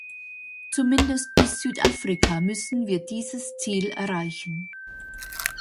Zumindest bis Südafrika müssen wir dieses Ziel erreichen.